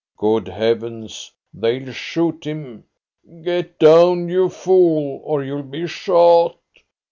"Good Heavens! They'll shoot him! Get down, you fool, or you'll be shot!"